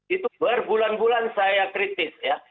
itu berbulan bulan saya kritis ya